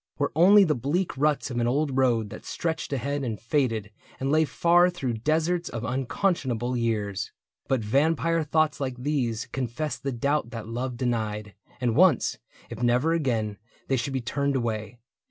Were only the bleak ruts of an old road That stretched ahead and faded and lay far Through deserts of unconscionable years. But vampire thoughts like these confessed the doubt That love denied ; and once, if never again, They should be turned away.